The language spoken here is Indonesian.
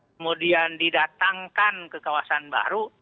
kemudian didatangkan ke kawasan baru